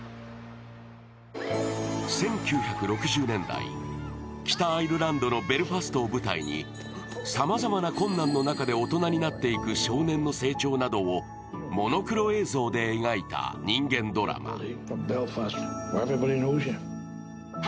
１９６０年代、北アイルランドのベルファストを舞台にさまざまな困難の中で大人になっていく少年の成長などをモノクロ映像で描いた人間ドラマ。